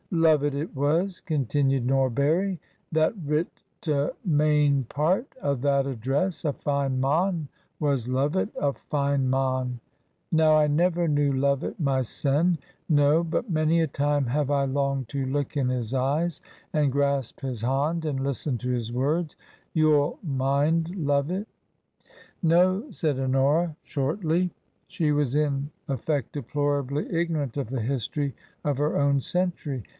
"Lovett it was," continued Norbury, "that writ t' main part o' that address. A fine mon was Lovett — a fine mon. Now I never knew Lovett mysen. No! But many a time have I longed to look in his eyes, and grasp his bond and listen to his words. Yo'U mind Lovett ?"" No," said Honora, shortly. She was in effect deplorably ignorant of the history of her own century.